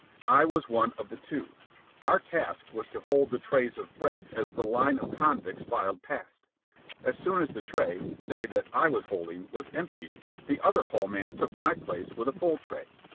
I was one of the two. Our task was to hold the trays of bread as the line of convicts filed past. As soon as the tray, say, that I was holding was emptied, the other hall man took my place with a full tray.